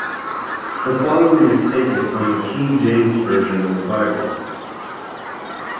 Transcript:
The following is taken from the King James Version of the Bible.